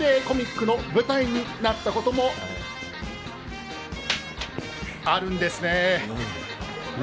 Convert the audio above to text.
コミックの舞台になったこともあるんですね。